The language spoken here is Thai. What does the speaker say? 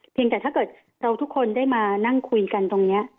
แต่ถ้าเกิดเราทุกคนได้มานั่งคุยกันตรงนี้